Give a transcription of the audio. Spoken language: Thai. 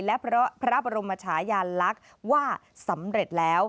และเพราะพระบรมชายาลักษณ์ว่าสำเร็จแล้ว